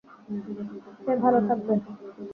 সে ভালো থাকবে।